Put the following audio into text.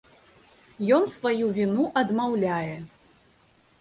Ён сваю віну адмаўляе.